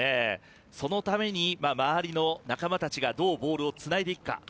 そのために周りの仲間たちがどうボールをつないでいくか。